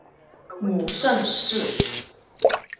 母盛氏。